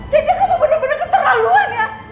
cynthia kamu bener bener keterlaluan ya